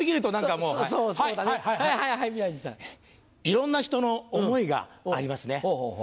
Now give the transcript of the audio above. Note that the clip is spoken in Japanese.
いろんな人の思いがありますね。